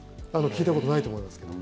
聞いたことないと思いますけど。